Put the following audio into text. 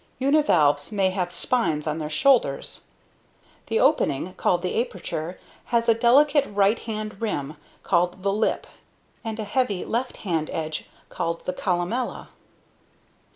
Univalves may have spines on their shoulders. The opening, called the aperture, has a delicate right hand rim called the lip and a heavy, left hand edge called the columella.